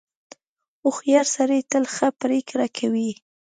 • هوښیار سړی تل ښه پرېکړه کوي.